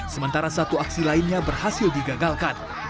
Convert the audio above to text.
sementara satu aksi lainnya berhasil digagalkan